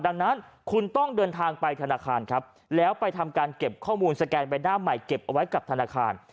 ดังนั้นคุณต้องเดินทางไปธนาคารครับแล้วไปทำการเก็บข้อมูลสแกนใบหน้าใหม่เก็บเอาไว้กับธนาคาร